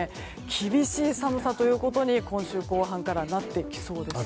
厳しい暑さということに今週後半からなってきそうです。